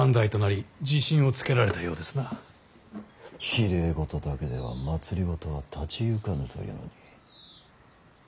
きれい事だけでは政は立ち行かぬというのに。